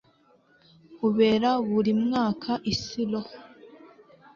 ubera buri mwaka i silo